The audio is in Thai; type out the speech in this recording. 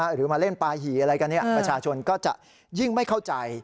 หรือมาเล่นปลาหี่อะไรกันประชาชนก็จะยิ่งไม่เข้าใจ